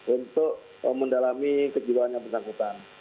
untuk mendalami kejiwaan yang bersangkutan